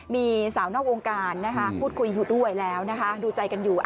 มีสาวนอกวงการพูดคุยอยู่ด้วยแล้วนะคะดูใจกันอยู่